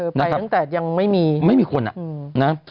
แต่ตั้งแต่ยังไม่มีไม่มีคนอ่ะนะ